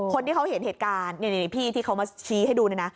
คนที่เขาเห็นเหตุการณ์นี่พี่ที่เขามาชี้ให้ดูเนี่ยนะ